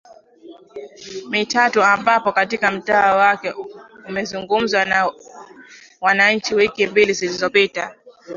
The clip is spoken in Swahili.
mitatu ambapo katika mtaa wake amezungumza na wananchi wiki mbili zilizopita